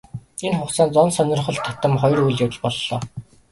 Энэ хугацаанд онц сонирхол татам хоёр үйл явдал боллоо.